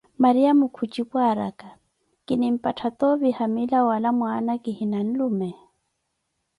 Mariyamo ku jipu, araka: kinimpatha toovi hamila wala mwaana kihina nlume ?